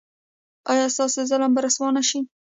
ایا ستاسو ظالم به رسوا نه شي؟